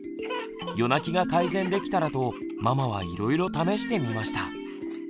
夜泣きが改善できたらとママはいろいろ試してみました。